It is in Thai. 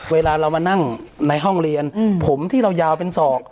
เวลาเรามานั่งในห้องเรียนผมที่เรายาวเป็นศอก